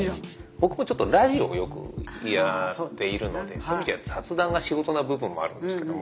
僕もちょっとラジオをよくやっているのでそういう意味じゃ雑談が仕事な部分もあるんですけども。